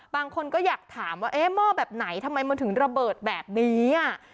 บางคนก็อยากถามว่าเอ๊ะหม้อแบบไหนทำไมมันถึงระเบิดแบบนี้